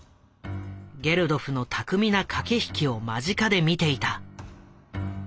ゲルドフの巧みな駆け引きを間近で見ていた。